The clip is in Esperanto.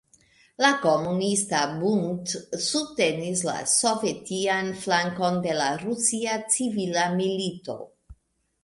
La Komunista Bund subtenis la sovetian flankon de la Rusia Civila Milito.